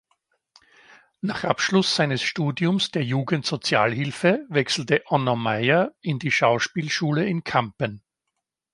Nach Abschluss seines Studiums der Jugend-Sozialhilfe wechselte Onno Meijer in die Schauspielschule in Kampen.